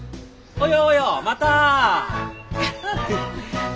およおよまた。